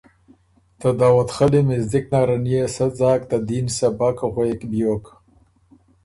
ته داؤدخلّي مِزدک نرن يې سۀ ځاک ته دین سبق غوېک بیوک